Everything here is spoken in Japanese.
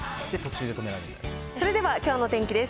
それではきょうの天気です。